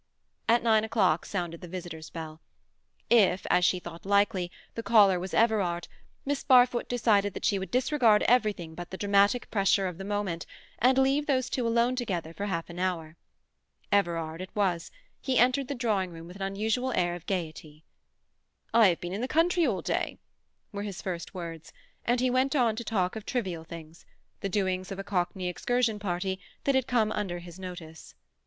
At nine o'clock sounded the visitor's bell. If, as she thought likely, the caller was Everard, Miss Barfoot decided that she would disregard everything but the dramatic pressure of the moment, and leave those two alone together for half an hour. Everard it was; he entered the drawing room with an unusual air of gaiety. "I have been in the country all day," were his first words; and he went on to talk of trivial things—the doings of a Cockney excursion party that had come under his notice.